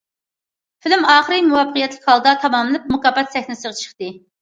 فىلىم ئاخىرى مۇۋەپپەقىيەتلىك ھالدا تاماملىنىپ، مۇكاپات سەھنىسىگە چىقتى.